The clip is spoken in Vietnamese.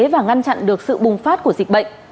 và ngăn chặn được sự bùng phát của dịch bệnh